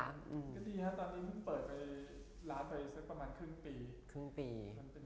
ถ้างั้นก็ดีนะพี่เปิดร้านไปประมาณครึ่งปี